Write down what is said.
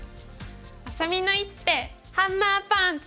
あさみの一手ハンマーパンチ！